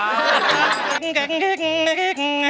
แก๊งแก๊งแก๊งแก๊ง